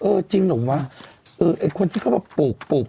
เออจริงหรือเปล่าเออเออคนที่เขาแบบปลูกปลูก